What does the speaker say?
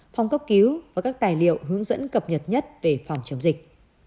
phòng cấp cứu và các tài liệu hướng dẫn cập nhật nhất về phòng chống dịch